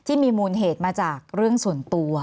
มีความรู้สึกว่ามีความรู้สึกว่า